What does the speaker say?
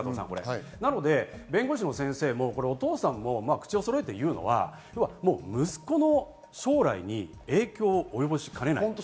なので、弁護士の先生もお父さんも口をそろえて言うのは息子の将来に影響をおよぼしかねない。